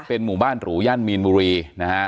เป็นหมู่บ้านหรูย่านมีนบุรีนะฮะ